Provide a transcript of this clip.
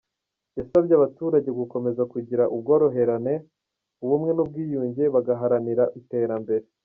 Yasabye abaturage gukomeza kugira ubworoherane, ubumwe n’ubwiyunge, bagaharanira iterambere.